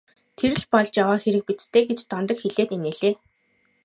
Тэр л болж яваа хэрэг биз ээ гэж Дондог хэлээд инээлээ.